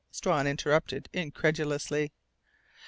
Strawn interrupted incredulously.